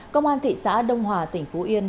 công an thị xã đông hòa tỉnh phú yên